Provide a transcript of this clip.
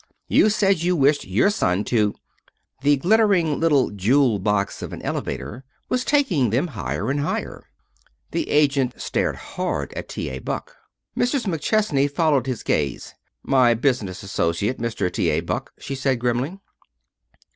You said you wished your son to " The glittering little jewel box of an elevator was taking them higher and higher. The agent stared hard at T. A. Buck. Mrs. McChesney followed his gaze. "My business associate, Mr. T. A. Buck," she said grimly.